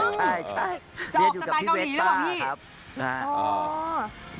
ใช่จะออกสไตล์เกาหลีหรือเปล่าพี่